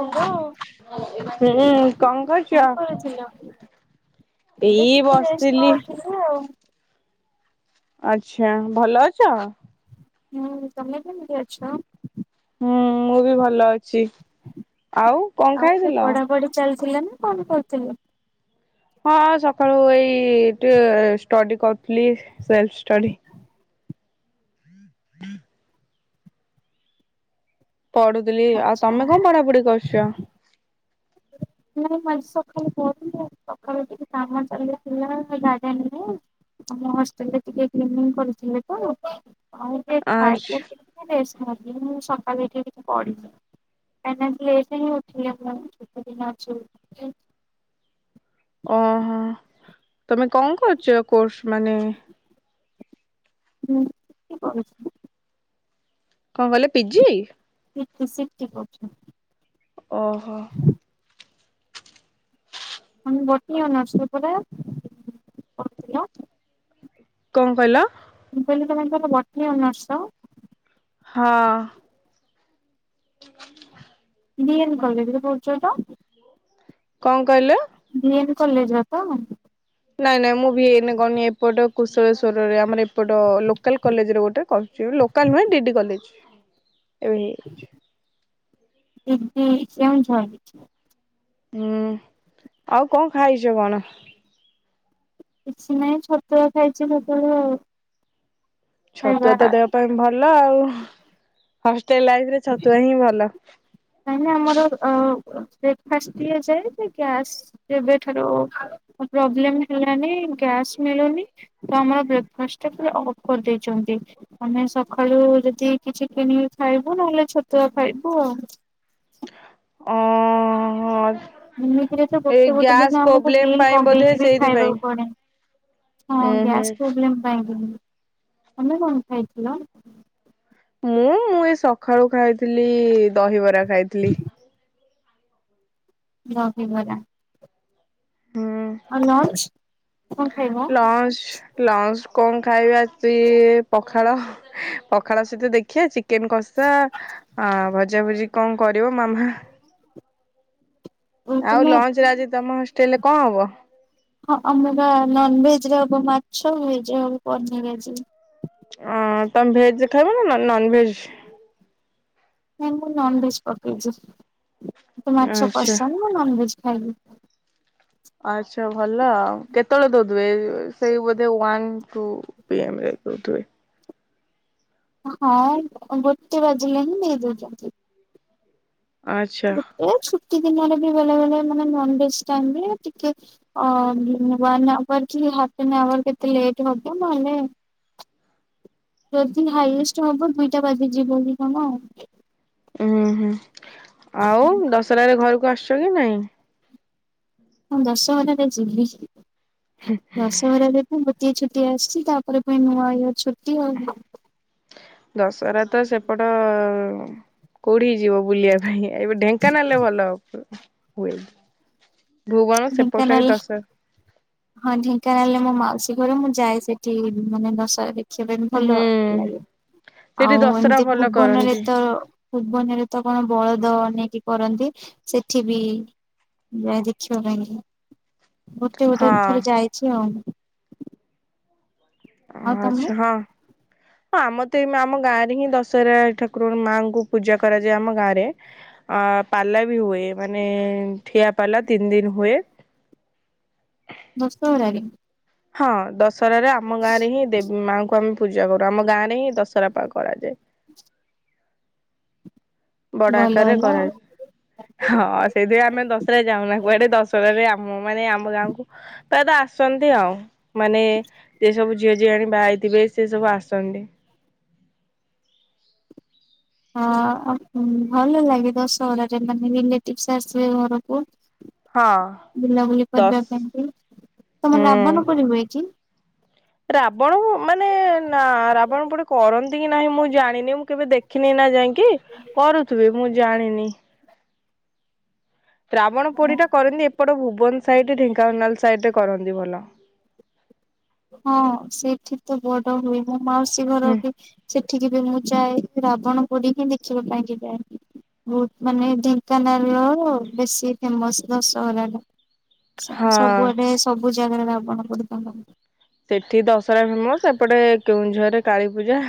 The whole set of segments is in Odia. ହ୍ୟାଲୋ ହୁଁ କଣ କରୁଛ। ମୁଁ ବି ଏଇ ଟିକେ ରେଷ୍ଟ ବସିଥିଲି। ନଉଥିଲି ଆଉ। ଆଛା ଭଲ ଅଛ। ହୁଁ ତମେ କେମିତି ଅଛ। ହୁଁ ମୁଁ ବି ଭଲ ଅଛି ଆଉ କଣ ଖାଇଥିଲ। ଥିଲେ ନା କଣ କରୁଥିଲେ। ହଁ ସକାଳୁ ଏଇ ଡି କରୁଥିଲି ସେଲ୍ଫ ଷ୍ଟାଡି। ହୁଁ। ପଢୁଥିଲି ଆଉ ଆଚ୍ଛା। ତମେ କଣ ପଢାପଢି କରୁଛ। ନାଇଁ ମ ସକାଳେୁ କହୁଥିଲି ସକାଳୁ ଟିକେ କାମ ଚାଲିଥିଲା ଗାର୍ଡେନ ରେ। ଆମ ହଷ୍ଟେଲରେ ଟିକେ କ୍ଲିନ କରିଥିଲେ ତ। ଆଉ ଖାଇ। ଆଚ୍ଛା ମୁଁ ସକାଳ ଏଠିିକ ପଢିବି କାହିଁକି ଲେଟ୍ ହିଁ ଉଠିବି [unintelligible] ଦିନ। [unintelligible] ଓହୋ ତମେ କଣ କରୁଛ କୋର୍ସ ମାନେ। ହୁଁ [unintelligible] କଣ କହିଲ ପିଜି। ସିଟି ସିଟି କରୁଛି ମୁଁ। ଓହୋ ଆ ବଟିର୍ସ ଉପରେ ପଥିଲ। କଣ କହିଲ। କହିଲି ତମେ ତେ ବାଟନୀ ଅନର୍ସ। ହଁ। ହ। ଦଏନ୍ କଲେଜରେ ପଢୁଛ ତ। କଣ କହିଲ। କଲେଜରେ ରତ। ନାଇଁ ନାଇଁ ମୁଁ ବି ଭି ନ କହୁନି ଏପଟ କୁଶଳେଶ୍ଵରରେ ଆମର ଏପଟ ଲୋକାଲ କଲେଜରେ ଗୋଟେ କରୁଛି। ଲୋକାଲ ନୁହେଁ ଡିଡି କଲେ। [unintelligible] ଏହୁଈ। [unintelligible] କେଉଁଝର। ହୁଁ ଆଉ କଣ ଖାଇଛ କଣ? କିଛି ନାଇହିଁ ଛତୁଆ ଖାଇଛି ମୁଁ ତ ଆଉ ଛତୁଆ ତ ଦେହ ପାଇଁ ଭଲ ଆଉ ହସ୍‌ ଟେଲ ଲାଇଫ ରେ ଛତୁଆ ହିଁ ଭଲ। ନାଇଁ ମ ଆମର ଅ ବ୍ରେକଫାଷ୍ଟ ଦିଆ ଯାଏ ଗ୍ୟାସ ଯେବେଠାରୁ। ପ୍ରୋବଲେମ ହେଲାନି ଗ୍ୟାସ ମିଳୁନି ତ ଆମର ବ୍ରେକଫାଷ୍ଟ ଟା ପୁରା ଅଫ୍ କରି ଦେଇଛ ନ୍ତି ଆମେ ସକାଳୁ ଯଦି କିଛି କିଣ କି ଖାଇବୁ ନହେଲେ ଛତୁଆ ଖାଇବୁ ଆଉ। ଓହୋ। ଏମିତିରେ ତ ଗୋଟେ ଗୋଟେ ଦିନ ଆମକୁ ପ୍ରୋବ୍ଲେମ ମିଲ୍ ପାଇଁ ବୋଧେ ମଗେଇକି ବି ସେଇଥିପାଇଁ। ଖାଇବାକୁ ପଡେ। ହଁ ଉୁଁ ହୁଁ ଗ୍ୟାସ୍ ପ୍ରୋବ୍ଲେମ୍ ପାଇଁ କି ହିଁ ତମେ କଣ ଖାଇଥିଲ? ମୁଁ ମୁଁ ଏ ସକାଳୁ ଖାଇଥିଲି ଦହିବରା ଖାଇଥିଲି। ଦହିବରା। ହୁଁ ଆଉ ଲଞ୍ଚ କଣ ଖାଇବ? ଲଞ୍ଚ ଲଞ୍ଚ କଁ ଖାଇବା ସିଏ ପଖାଳ ପଖାଳ ସହିତ ଦେଖିବା ଚିକ୍ କେନ୍‌ କସା ଆ ଭଜା ଭୁଜି କଣ କରିବ ମାମା। ଓ ଆଉ ତୁମେ ଲଞ୍ଚରେ ଆଜି ତମ ହଷ୍ଟେଲ ରେ କଁ ହବ? ହଁ ଆମର ନନ ଭେଜ ରେ ହବ ମାଛ ଭେଜ ରେ ହବ ପନିର ଆଜି। ଅ ତମେ ଭେଜ ଖାଇବ ନା ନ ନନ ଭେଜ। ନାଇଁ ମୁଁ ନନଭେଜ ପକେଇଛି ମତେ ମାଛ ଆଚ୍ଛା ପସନ୍ଦ ମୁଁ ନନଭେଜ। ଖାଇବି। ଆଛା ଭଲ ଆଉ କେତେବେଳେ ଦଉଥିବେ ସେଇ ବୋଧେ ୱାନ ଟୁ ପି ଏମ ରେ। ଦଉଥିବେ। ହଁ ଗୋଟେ ବାଜିଲେ ହିଁ ଦେଇ ଦଉଛନ୍ତି। ଆଚ୍ଛା ଗୋଟେ ଛୁ ଟି ଦିନରେ ବି ବେଳେ ବେଳେ ମାନେ ନନ ଭେଜ ଟାଇମ ରେ ଟିକେ ଅ ୱାନ ଆୱାର କି ହାପେନ ଆୱାର କେତେ ଲେଟ ହବ ନହେଲେ। ଯଦି ହାଇଏଷ୍ଟ ହବ ଦୁଇଟା ବାଜି ଯିବ କି କଣ। ଉୁଁ ହୁଁ ଆଉ ଦଶରାରେ ରେ ଘରକୁ ଆସୁଛ କି ନାଇଁ? ହଁ ଦଶହରା ରେ ଯିବି ଦଶହରା ରେ ତ ଗୋଟିଏ ଛୁଟି ଆସିଛି ତା ପରେ ପୁଣି ନୂଆ ଇଅର ଛୁ ଦଶହରା ତ ସେପଟ। କୋଉଢି କି ଯିବ ବୁଲିବା ପାଇଁ ଏବେ ଢେ଼ଙ୍କାନାଳ ରେ ଭଲ ହ ହୁଏ। ଭୁବନ ସେପଟ ସାଇ ଢେଙ୍କାନାଳ ଦଶ ହଁ ଢିଙ୍କାନାଳ ରେ ମୋ ମାଉସୀ। ଘର ମୁଁ ଯାଏ ସେଠି ମାନେ ଦଶରା ଦେଖିବା ପାଇଁ ଭଲ ହୁଁ ଲାଗେ। ସେଠି ଆଉ ଦଶହରା ଏମିତି ଭଲ ଭୁବନ ରେ କରନ୍ତି ତ ଭୁବନ ରେ ତ କଣ ବଳଦ ନେଇ କରନ୍ତି ସେଠି ବି ନୁଆ ଦେଖିବା ପାଇଁ। ଗୋଟେ ଗୋଟେ ହଁ ଥରେ ଯାଇଛି ଆଉ। ଆଉ ତମେ ଆଚ୍ଛା ହଁ। ହଁ ଆମ ତ ଏଇ ମା ଆମ ଗାଁ ରେ ହିଁ ଦଶହରା ଠାକୁର ମାଙ୍କୁ ପୂଜା କରାଯାଏ ଆମ ଗାଁରେ ଅ ପାଲା ବି ହୁଏ ମାନେ ଠିଆ ପାଲା ତିନି ଦିନ ହୁଏ। ଦଶହରା ରେ। ହଁ ଦଶହରା ରେ ଆମ ଗାଁ ରେ ହିଁ ଦେବୀ ମାଙ୍କୁ ଆମେ। ପୂଜା କରୁ ଆମ ଗାଁରେ ହିଁ ଦଶହରା ପା କରାଯାଏ। ବଡ ଭଲ ଆକାରରେ ହେଲା। କରାଯାଏ ‌। ହଁ ସେଇଥିପାଇଁ ଆମେ ଦଶରା ରେ ଯାଉନା କୁଆଡେ ଦଶରା ରେ ଆମ ମାନେ ଆମ ଗାଁକୁ। ତା ତା ଆସନ୍ତି ଆଉ ମାନେ ଯେ ସବୁ ଝିଅ ଝିଆଣି ବାହା ହେଇଥିବେ ସେ ସବୁ ଆସନ୍ତି। ହଁ ଭଲ ଲାଗେ ଦଶହରା ରେ ମାନେ ରିଲେଟିଭସ ଆସିବେ ଘରକୁ। ହଁ ବୁଲାବୁଲି ଦଶ କରିବା ପାଇଁ କି ତମର ହୁଁ ରାବଣ ପୋଡି ହୁଏ କି? ରାବଣ ମାନେ ନା ରାବଣ ପୋଡି ଖିନି ନା ଯାଇଁଙ୍କି କରୁଥିବେ ମୁଁ ଜାଣିନି। ରାବଣ ପୋଡି ଟା କରନ୍ତି ଏପଟ ଭୁବନ ସାଇଟ୍ ଢେଙ୍କାନାଳ ସାଇଟ୍ ରେ କରନ୍ତି ଭଲ। ହଁ ସେଠି ତ ବଡ ହୁଏ ମୁଁ ମାଉସୀ ଘର ହୁଁ ବି ସେଠ ଠିକି ବି ମୁଁ ଯାଏ ରାବଣ ପୋଡି ହିଁ ଦେଖିବା ପାଇଁକି ଯାଏ ବହୁତ ମାନେ ଢେଙ୍କାନାଳ ନୋ ବେଶୀ ଫେମସ ଦଶହରା ଟା ସ ହଁ ସବୁ ଆଡେ ସବୁ ଜାଗାରେ ରାବଣ ପୋଡିଟା ଭ ସେଠି ଦଶହରା ଫେମସ ଏପଟେ କେଉଁଝର ରେ କାଳୀ ପୂଜା।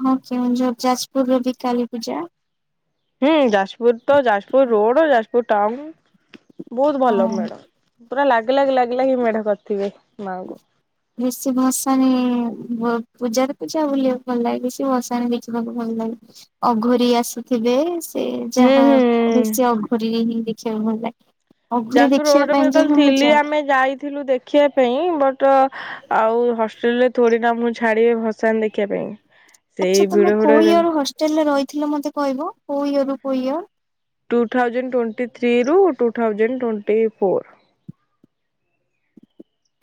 ହ କେଉଁଝର ଯାଜପୁର ରେ ବି କାଳୀ ପୂଜା। ହୁଁ ଯୋଉ ଟାଉନ ବହୁତ ଭଲ ହଁ। ମେଢ ପୁରା ଲାଗି ଲାଗି ଲାଗି ଲାଗିି ମେଢ କରିଥିବେ। ମାଆଙ୍କୁ। ବେଶୀ ଭଷାଣି ଭୋ ପୂଜାରେ ପୂଜା ବୁଲିବାକୁ ଭଲ ଲାଗେ ବେଶୀ ବସାଣି ଦେଖିବାକୁ ଭଲ ଲାଗେ ଅଘୋରି ଆସୁଥିବେ ସେ ସେ ହୁଁ ଯାହା ହୁଁ ବେଶୀ ଅଘୋରି ହିଁ ଦେଖିବାକୁ ଭଲ ଲାଗେ। ଅଘୋରି ଯାଜପୁର ଦେଖିବା ରୋଡରେ ମୁଁ ପାଇଁ କି ଯେତେବେଳେ ହିଁ ଥିଲି ଯାଏ। ଆମେ ଯାଇଥିଲୁ ଦେଖିବା ପାଇଁ ବଟ୍ ଆଉ ହଷ୍ଟେଲରେ ଥୋଡି ନା ଆମକୁ ଛାଡିବେ ଭସାଣି ଦେଖିବା ପାଇଁ। ସେଇ ଆଚ୍ଛା ଭିଡ ତମେ ଭିଡ କୋଉ ଇୟର ରୁ ହଷ୍ଟେଲରେ ରହିଥିଲ ମୋତେ କହିବ କୋଉ ଇୟର ରୁ କୋଉ year? Two thousand twenty three ରୁ two thousand twenty four.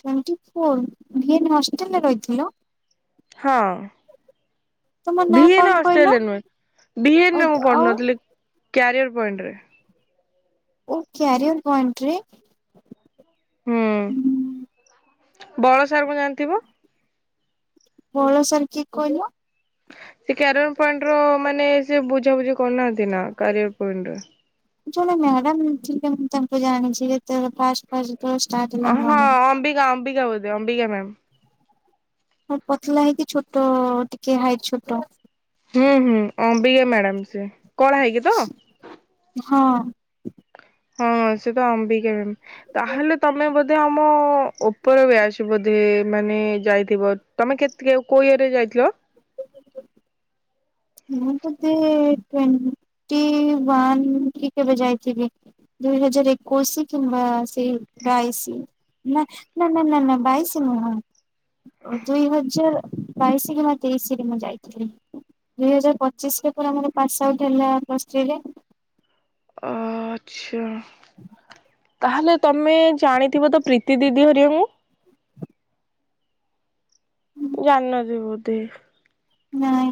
Twenty four ଭିଏନ ହଷ୍ଟେଲରେ ରହିଥିଲ? ହଁ। ତମ ନାଁ କଣ ଭିଏନ କହିଲ? ହଷ୍ଟେଲ ରେ ନୁହେଁ ଭିଏନ ରେ ମୁଁ ଆଉ ପଢ଼ନଥିଲି କ୍ୟାରିୟର ପଏଣ୍ଟରେ। ଓ କ୍ୟାରିୟର ପଏଣ୍ଟ ରେ। ହୁଁ ବଳ ସାର ଙ୍କୁ ଜାଣିଥିବ? ବଳ ସାର କିଏ କହିଲ? ସେ କାରିୟର ପଏଣ୍ଟ ର ମାନେ ସେ ବୁଝାବୁଝି କରୁନାହାନ୍ତି ନା କାରିୟର ପଏଣ୍ଟରେ। ଜଣେ ମ୍ୟାଡାମ ଥିଲେ ମୁଁ ତାଙ୍କୁ ଜାଣିଛି ଯେତେବେଳେ ଫାଷ୍ଟ ଫାଷ୍ଟ ଯେତେବେଳେ ଷ୍ଟାର୍ଟ ହେଲା ହଁ ମନେ ଅମ୍ବିକା ଅମ୍ବିକା ବୋଧ ଅମ୍ବିକା ମ୍ୟାମ୍ ହଁ ପତଲା ହେଇକି ଛୋଟ ଟିକେ ହାଇଟ୍ ଛୋଟ ହୁଁ ହୁଁ ଅମ୍ବିକା ମ୍ୟାଡାମ ସିଏ କଳା ହେଇକି ତ? ହଁ। ହଁ ସେ ତ ଆମ୍ବିକା ମ୍ୟାମ ତାହେଲେ ତମେ ବୋଧେ ଆମ ଉପର ବ୍ୟାଚ ବୋଧେ। ମାନେ ଯାଇଥିବ ତମେ କେତ କେ କୋଉ ଇୟର ଯାଇଥିଲ? ମୁଁ ବୋଧେ ଟ୍ୱଣ୍ଟି ୱାନ କି କେବେ ଯାଇଥିବି। ଦୁଇ ହଜାର ଏକୋଇଶି କିମ୍ବା ସେ ବାଇସି ନା ନା ନା ନା ନା ବାଇସି ନୁହଁ ଓ ଦୁଇ ହଜାର ବାଇଶି କିମ୍ବା ତେଇଶି ରେ ମୁଁ ଯାଇଥିଲି। ଦୁଇ ହଜାର ପଚିଶ ରେ ପରା ମୋର ପାସ୍ ଆଉଟ୍ ହେଲା ପ୍ଲସ ଥ୍ରୀ ରେ। ଆଚ୍ଛା। ତାହେଲେ ତମେ ଜାଣିଥିବ ତ ପ୍ରୀତି ଦିଦି ହେରିକା ଙ୍କୁ? ଜାଣି ନ ଥିବ ବୋଧେ ନାଇଁ।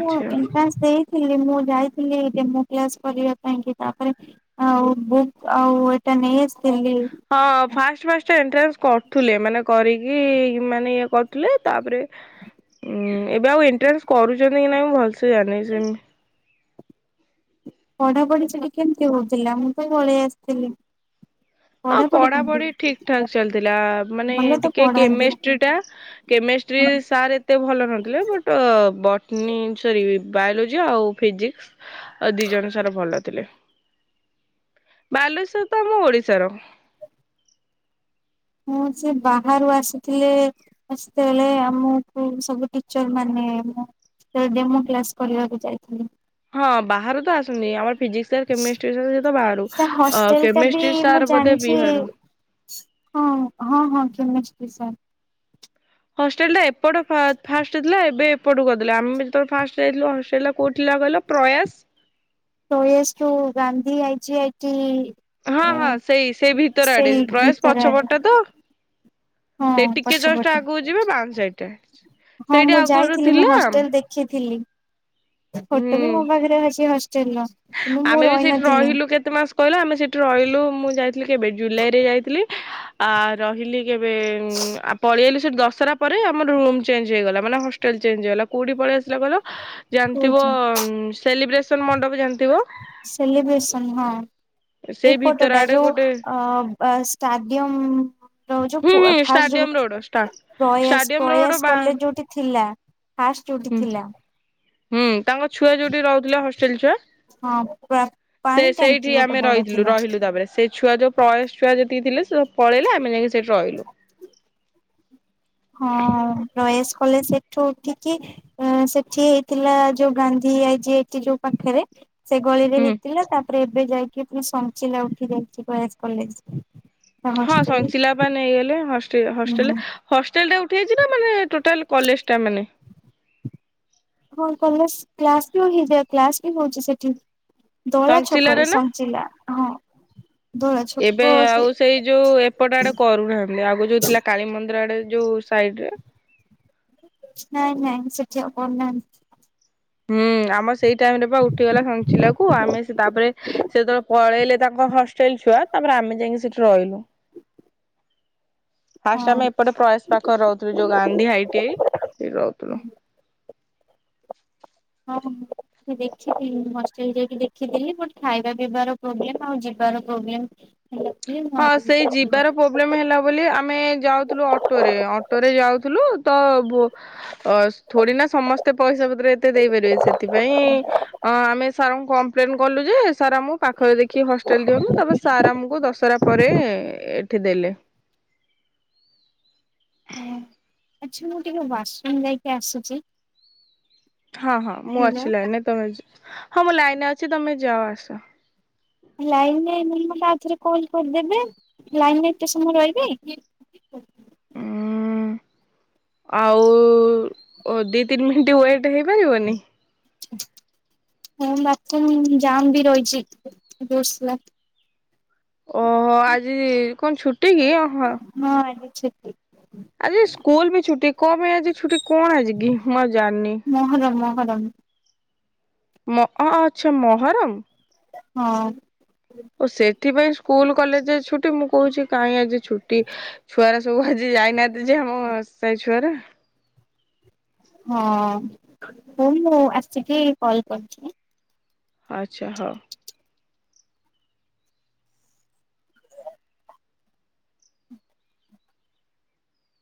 ମୁଁ ଏଣ୍ଟ୍ରାନ୍ ଦେଇ ଥିଲ ମୁଁ ଯାଇଥିଲି ଡେମୁ କ୍ଲାସ କରିବା ପାଇଁ କି ତାପରେ ଆଉ ବୁକ୍ ଆଉ ଏଟା ନେଇଆସି ହଁ ଫାଷ୍ଟ ଫାଷ୍ଟ ଏଣ୍ଟ୍ରାନ୍ସ କରୁଥିଲେ ମାନେ କରିକି ମାନେ ଇଏ କରୁଥିଲେ ତାପରେ ହୁଁ ଏବେ ଆଉ ଏଣ୍ଟ୍ରାନ୍ସ କରୁଛନ୍ତି କି ନାଇଁ ମୁଁ ଭଲସେ ଜାଣିନି ସେ ପଢାପଢି ସେଇଠି କେମତି ହଉଥିଲା ମୁଁ ତ ପଳେଇ ଆସଥିଲି। ହଁ ପଢାପଢି ଠିକ ଠାକ ଚାଲିଥିଲା ମାନେ ଭଲ ତ ଟିକେ ପଢାନ୍ତି କେମିଷ୍ଟ୍ରି ଟା କେମ ଷ୍ଟ୍ରି ସାର୍ ଏତେ ଭଲ ନଥିଲେ ବଟ ବ ନି ସରି ବାୟୋଲୋଜି ଆଉ ଫିଜିକ୍ସ ଆ ଦିଜଣ ସାର୍ ଭଲ ଥିଲେ। ବାଲେଶ୍ଵର ତ ଆମ ଓଡିଶାର। ମୁଁ ସେ ବାହାରୁ ଆସିଥିଲେ ସେତେବେଳେ ଆମୁକୁ ସବୁ ଟିଚର ମାନେ। ଏ ମୁଁ ସେ ଡେମୋ କ୍ଲାସ କରିବାକୁ ଯାଇଥିଲି। ହଁ ବାହାରୁ ତ ଆସନ୍ତି ଆମର୍ ଫିଜିକ୍ସ ସାର୍, କେମିଷ୍ଟ୍ରି ସାର୍ ସେ ତ ବାହାରୁ। ତା ହଷ୍ଟେଲ ଟା ବି କେମିଷ୍ଟ୍ରି ମୁଁ ସାର୍ ବୋଧେ ଜାଣିଛି ବିହାରରୁ। ହଁ ହଁ ହଁ କେମିଷ୍ଟ୍ରି ସାର୍। ହଷ୍ଟେଲ ଟା ଏପଟ ଫା-ଫାଷ୍ଟରେ ଥିଲା ଏବେ ଏପଟୁକୁ କରିଦେଲେ। ଆମେ ଯେତବେଳେ ଫାଷ୍ଟ ଯାଇଥିଲୁ ହଷ୍ଟେଲ ଟା କୋଉଠି ଥୁଲା କହିଲ ପ୍ରୟାସ। ପ୍ରୟାସ ଠୁ Gandhi I G I T ହଁ ହଁ ସେଇ ସେଇ ଭିତର ଆଡେ ପ୍ରୟାସ ଭିତର ଆଡେ ପଛପଟଟା ତ। ହଁ ସେ ଟିକେ ଜଷ୍ଟ ପଛପଟେ ଆଗକୁ ଯିବ ବାଁ ସାଇଟରେ। ହଁ ମୁଁ ଯାଇଥିଲି ମୁଁ ହଷ୍ଟେଲ ଦେଖିଥିଲି। ଫଟୋ ହୁଁ ବି ମୋ ପାଖରେ ଅଛି ହଷ୍ଟେଲ ର କିନ୍ତୁ ମୁଁ ଆମେ ବି ସେଇଠି ରହିନଥିଲି ରହିଲୁ କେତେ ମାସ କହିଲ ଆମେ ସେଠି ର ହିଲୁ ମୁଁ ଯାଇଥିଲି କେବେ ଜୁଲାଇରେ ଯାଇଥିଲି ଆ ରହିଲି କେବେ ଉଁ ଆପଳେଆଇଲି ସେଠୁ ଦଶହରା ପରେ ଆମର ରୁମ୍ ଚେଞ୍ଜ ହେଇଗଲା ମାନେ ହଷ୍ଟେଲ ଚେଞ୍ଜ ହେଇଗଲା କୋଉଠି ପଳେଇଆସିଲା କହିଲ ଥିବ କହୁଛି। ସେଲିବ୍ରେସନ୍ ମଣ୍ଡପ ଜାଣିଥିବ? ସେଲିିବ୍ରେସନ ହଁ। ସେଇ ଭିତର ଏପଟଟା ଆଡେ ଯୋଉ ଗୋଟେ ଅ ଅ ଷ୍ଟାଡିୟମ ଯୋଉ ଯୋଉ ହୁଁ ପୁ ହୁଁ ଫାଷ୍ଟ ଯୋଉ ଷ୍ଟାଡିୟମ ରୋଡ ଷ୍ଟା ପ୍ରୟାସ ଷ୍ଟାଡିୟମ ରୋଡ ପ୍ରୟାସ ବା କଲେଜ ଯୋଉଠି ଥିଲା। ଫାଷ୍ଟ ଯୋଉଠି ହୁଁ ଥିଲା। ହୁଁ ତାଙ୍କ ଛୁଆ ଯୋଉଠି ରହୁଥିଲେ ହଷ୍ଟେଲ ଛୁଆ ହଁ ପୁରା ସେ ପାଣି ଟାଙ୍କି ସେଇଠି ଗୋଟେ ଆମେ ବଡ ରହିଥିଲୁ ଥିଲା ରହିଲୁ ତାପରେ ସେ ଛୁଆ ଯୋଉ ପ୍ରୟାସ ଛୁଆ ଯେତିକି ଥିଲେ ସେ ସବୁ ପଳେଇଲେ ଆମେ ଯାଇକି ସେଠି ରହିଲୁ। ହଁ ପ୍ରୟାସ କଲେଜ ସେଠୁ ଉଠିକି ଏଁ ସେଠି ହେଇଥିଲା ଯୋଉ Gandhi I G I T ଯୋଉ ପାଖରେ। ସେ ଗଳିରେ ହୁଁ ହେଇଥିଲା ତାପରେ ଏବେ ଯାଇକି ପୁଣି ସଞ୍ଚିଲା ଉଠି ଯାଇଛି ପ୍ରୟାସ କଲେଜ। ହଁ ହଷ୍ଟେଲ ସଂଚିଲା ବା ନେଇଗଲେ ହଷ୍ ଟେଲ ହୁଁ। ହଷ୍ଟେଲ ହଷ୍ଟେଲଟା ଉଠିଯାଇଛି ନା ମାନେ ଟୋଟାଲ କଲେଜ ଟା ମାନେ? ହଁ କଲେଜ କ୍ଲାସ ବି [unintelligible] କ୍ଲାସ ବି ହଉଛି ସେଠି। ଦଳା ଛକରେ ସଂଶିଲାରେ ନା ସଞ୍ଚିଲା ହଁ। ଦୋଳ ଏବେ ଛକ ସେ ଆଉ ସେଇ ଯୋଉ ଏପଟ ଆଡେ କରୁନାହାନ୍ତି ଆଗୁରୁ ଯୋଉ ଥିଲା କାଳୀମନ୍ଦିର ଆଡେ ଯୋଉ ସାଇଡରେ। ନାଇଁ ନାଇଁ ସେଠି ଆଉ କରୁ ନାହାନ୍ତି। ହୁଁ ଆମର ସେଇ ଟାଇମରେ ବା ଉଠିଗଲା ସଞ୍ଚିଲାକୁ। ଆମେ ସେ ତାପରେ ସେ ଯେତେବେଳେ ପଳେଇଲେ ତାଙ୍କ ହଷ୍ଟେଲ ଛୁଆ ତାପରେ ଆମେ ଯାଇକି ସେଠି ରହିଲୁ। ଫାଷ୍ଟ ହଁ। ଆମେ ଏପଟେ ପ୍ରୟାସ ପାଖରେ ରହୁଥିଲୁ ଯୋଉ ଗାନ୍ଧୀ ଆଇ ଟି ଆଇ ସେଇଠି ରହୁଥିଲୁ। ହଁ ହଁ। ଦେଖିଥିଲି ମୁଁ ହଷ୍ଟେଲ ଯାଇକି ଦେଖିଥିଲି। ବଟ୍ ଖାଇବା ପିଇବାର ପ୍ରୋବ୍ଲେମ୍ ଆଉ ଯିବାର ପ୍ରୋବ୍ଲେମ୍ [unintelligible] ହଁ ସେଇ ଯିବାର ପ୍ରୋବ୍ଲେମ ହେଲା ବୋଲି ଆମେ ଯାଉଥିଲୁ ଅଟୋରେ। ଅଟୋରେ ଯାଉଥିଲୁ ତ ବୋ ଅ ଥୋଡି ନା ସମସ୍ତେ ପଇସା ପତ୍ର ଏତେ ଦେଇପାରିବେ ସେଥିପାଇଁ ଅ ଆମେ ସାରଙ୍କୁ କମ୍ପ୍ଲେନ୍ କଲୁ ଯେ ସାର୍ ଆମୁକୁ ପାଖରେ ଦେଖି ହଷ୍ଟେଲ୍ ଦିଅନ୍ତୁ। ତାପରେ ସାର୍ ଆମୁକୁ ଦ ଶରା ପରେ ଏଠି ଦେଲେ। ହଁ ଆଚ୍ଛା ମୁଁ ଟିକେ ୱାସରୁମ ଯାଇକି ଆସୁଛି। ହଁ ହଁ ମୁଁ ହ୍ୟାଲୋ ଅଛି ଲାଇନରେ ତମେ ଯ। ହଁ ମୁଁ ଲାଇନରେ ଅଛି ତମେ ଯାଅ ଆସ। ଲାଇନରେ ନ [unintelligible] ଆଉ ଥରେ କଲ କରିଦେବେ। ଲାଇନରେ ଏତେ ସମୟ ରହିବେ? ଓ ହୁଁ ଆଉ ଦି ତିନି ମିନିଟ୍ ହୁଏ। ହେଇପାରିବନି। ହଁ [unintelligible] ଜାମ୍ ବି ରହିଚି [unintelligible] ଓହୋ ଆଜି କଣ ଛୁଟି କି? ଓହ ଛ ଆଜି ସ୍କୁଲ୍ ବି ଛୁଟି କଣ ପାଇଁ ଆଜି ଛୁଟି କଣ ଆଜି କି? [unintelligible] ମ ଆ ଆଚ୍ଛା ମହର ହଁ। ଓ ସେଥିପାଇଁ ସ୍କୁଲ କଲେଜ ଛୁଟି, ମୁଁ କୋହୁଚି କାହିଁ ଆଜି ଛୁଟି ଛୁଆର ସବୁ ଆଜି ଯାଇନାଆ ଯେ ଆମ ସାଇ ଛୁଆରା ହଁ ହୋଉ ମୁଁ ଆସିକି କଲ କରିଚି। ଆଚ୍ଛା ହୋ